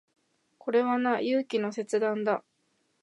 これはな、勇気の切断だ。